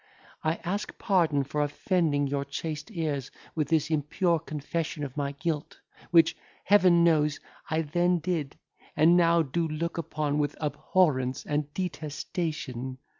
I ask pardon for offending your chaste ears with this impure confession of my guilt, which, Heaven knows, I then did, and now do look upon with abhorrence and detestation.